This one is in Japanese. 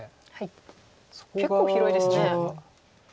結構広いですね。